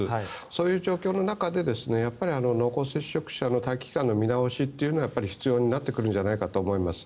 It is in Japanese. そういう状況の中で濃厚接触者の待機期間の見直しというのはやっぱり必要になってくるんじゃないかと思います。